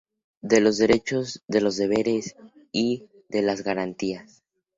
De los Derechos, de los Deberes y de las Garantías.